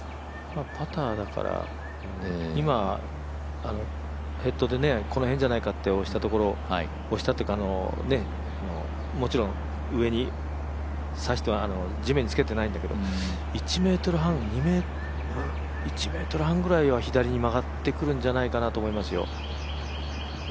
パターだから、今、ヘッドでこの辺じゃないかって押したところ押したっていうか、もちろん上にさすっていうか、地面につけてないんだけど１ｍ半ぐらいは左に曲がってくるんじゃないかと思いますよ。